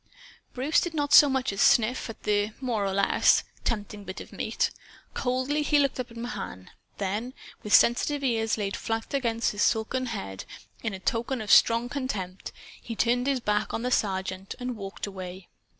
Bruce did not so much as sniff at the (more or less) tempting bit of meat. Coldly he looked up at Mahan. Then, with sensitive ears laid flat against his silken head, in token of strong contempt, he turned his back on the Sergeant and walked away.